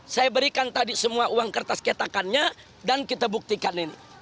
saya berikan tadi semua uang kertas cetakannya dan kita buktikan ini